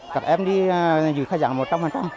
các em đi dù khai giảng một trăm linh